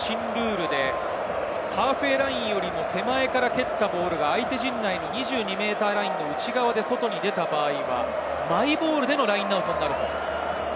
ハーフウェイラインよりも手前から蹴ったボールが相手陣内の２２ｍラインより内側で外に出た場合は、マイボールでのラインアウトになります。